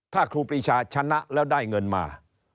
ถ้าครูปีชาชนะแล้วได้เงินมา